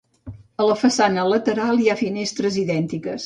A la façana lateral hi ha finestres idèntiques.